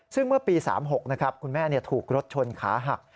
ซึ่งเมื่อปี๑๙๓๖คุณแม่ถูกรถชนขาหัก